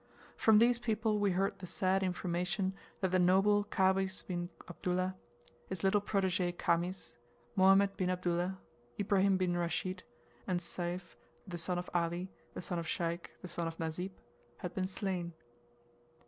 From these people we heard the sad information that the noble Khamis bin Abdullah, his little protege, Khamis, Mohammed bin Abdullah, Ibrahim bin Rashid, and Sayf, the son of Ali, the son of Sheikh, the son of Nasib, had been slain.